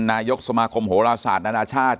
นายกสมคมโฮราชาตินานาชาติ